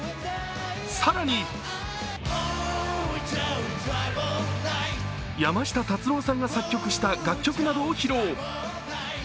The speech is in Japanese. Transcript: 更に山下達郎さんが作曲した楽曲などを披露。